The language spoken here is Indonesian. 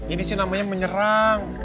ini sih namanya menyerang